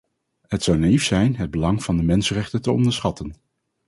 Het zou naïef zijn het belang van de mensenrechten te onderschatten.